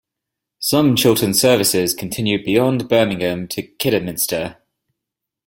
Some Chiltern services continue beyond Birmingham to Kidderminster.